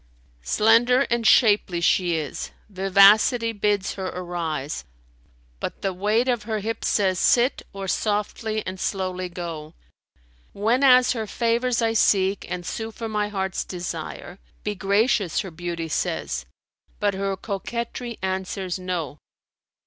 Slender and shapely she is; vivacity bids her arise, * But the weight of her hips says, 'Sit, or softly and slowly go.' Whenas her favours I seek and sue for my heart's desire, * 'Be gracious,' her beauty says; but her coquetry answers, 'No.'